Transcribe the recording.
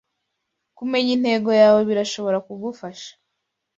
kumenya intego yawe birashobora kugufasha